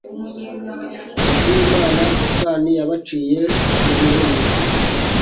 zImana Satani yabaciye mu rihumye